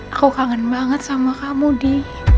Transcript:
aku kangen banget sama kamu di